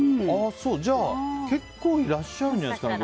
じゃあ、結構いらっしゃるんじゃないんですかね。